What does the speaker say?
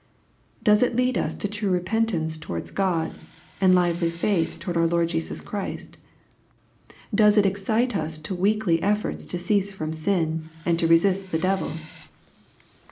Does it lead us to true repentance towards God, and lively faith towards our Lord Jesus Christ ? Does it excite us to weekly efforts to cease from sin, and to r3sist the devil